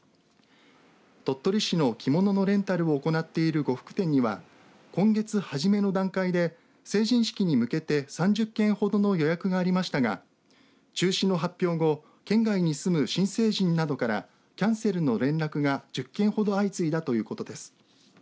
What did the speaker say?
鳥取市の着物のレンタルを行っている呉服店には今月はじめの段階で成人式に向けて３０件ほどの予約がありましたが中止の発表後県外に住む新成人などからキャンセルの連絡が１０件ほど相次いだということです。